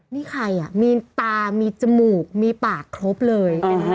นี่ใครมีตามีจมูกมีปากครบเลย